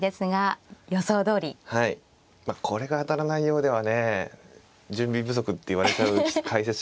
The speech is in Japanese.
これが当たらないようではね準備不足って言われちゃう解説者ですからね。